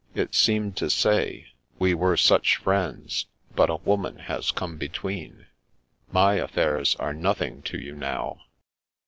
It seemed to say, " We were such friends, but a woman has come between. My affairs are nothing to you now."